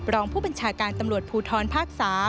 รองผู้บัญชาการตำรวจภูทรภาค๓